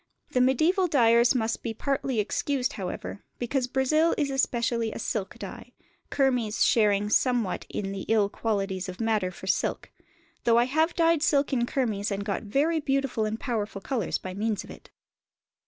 The mediæval dyers must be partly excused, however, because "Brazil" is especially a silk dye, kermes sharing somewhat in the ill qualities of madder for silk; though I have dyed silk in kermes and got very beautiful and powerful colours by means of it.